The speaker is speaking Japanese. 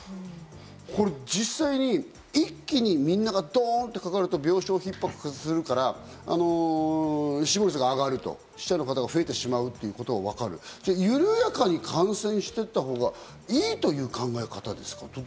これ実際に一気にみんながドンってかかると病床ひっ迫するから、死亡率が上がると、死者の方が増えてしまうということは分かる、じゃあ緩やかに感染していったほうがいいという考え方ですか？